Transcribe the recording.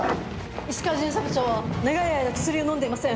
石川巡査部長は長い間薬を飲んでいません。